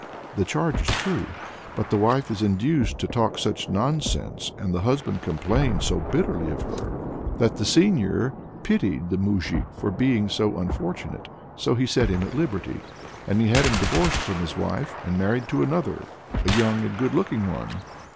The charge is true, but the wife is induced to talk such nonsense, and the husband complains so bitterly of her, that "the seigneur pitied the moujik for being so unfortunate, so he set him at liberty; and he had him divorced from his wife and married to another, a young and good looking one.